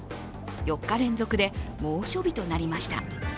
４日連続で、猛暑日となりました。